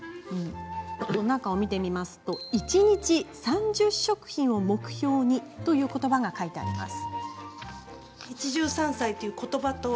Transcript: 中を見てみると一日３０食品を目標にということばが書いてあります。